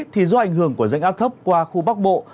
thì do ảnh hưởng của rãnh áp thấp qua khu bắc bộ